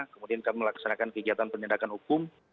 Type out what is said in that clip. kemudian kami melaksanakan kegiatan penindakan hukum